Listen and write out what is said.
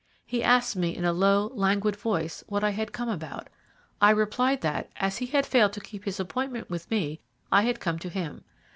He asked me in a low, languid voice what I had come about. I replied that, as he had failed to keep his appointment with me, I had come to him.